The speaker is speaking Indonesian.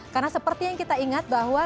karena seperti yang kita ingat bahwa